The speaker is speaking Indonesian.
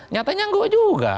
nyatanya nggak juga